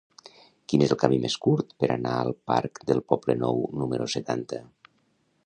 Quin és el camí més curt per anar al parc del Poblenou número setanta?